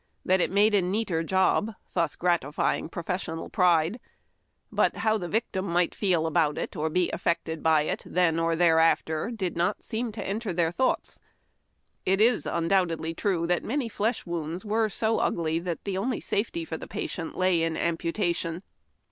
that it made a neater job, thus gratifying professional pride : but how the victim might feel about it or be affected by it then or thereafter did not seem to enter their thoughts. It was undoubtedly true that many flesh wounds were so ugly the only safety for the patient lay in amputation.